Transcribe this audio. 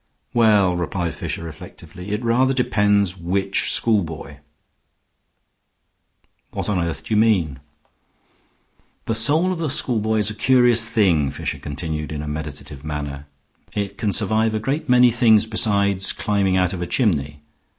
"Well," replied Fisher, reflectively, "it rather depends which schoolboy." "What on earth do you mean?" "The soul of a schoolboy is a curious thing," Fisher continued, in a meditative manner. "It can survive a great many things besides climbing out of a chimney.